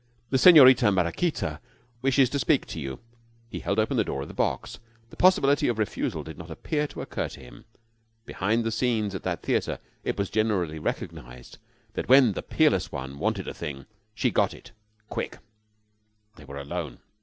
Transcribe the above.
The Senorita Maraquita wishes to speak to you." He held open the door of the box. The possibility of refusal did not appear to occur to him. Behind the scenes at that theater, it was generally recognized that when the Peerless One wanted a thing, she got it quick. They were alone.